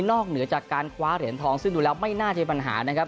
เหนือจากการคว้าเหรียญทองซึ่งดูแล้วไม่น่าจะเป็นปัญหานะครับ